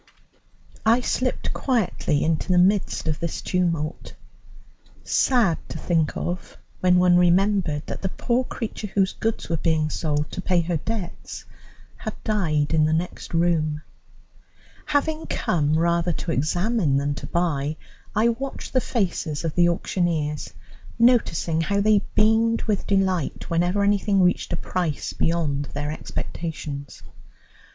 I slipped quietly into the midst of this tumult, sad to think of when one remembered that the poor creature whose goods were being sold to pay her debts had died in the next room. Having come rather to examine than to buy, I watched the faces of the auctioneers, noticing how they beamed with delight whenever anything reached a price beyond their expectations.